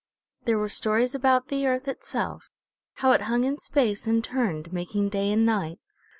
There were stories about the Earth itself, how it hung in space and turned, making day and night.